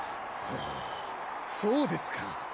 おおそうですか。